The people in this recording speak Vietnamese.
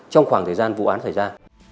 trong khoảng thời gian vụ án xảy ra